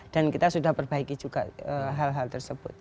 dan kita sudah perbaiki juga hal hal tersebut